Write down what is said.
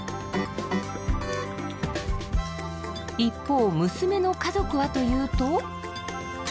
一方娘の家族はというと。